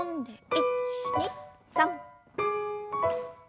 １２３。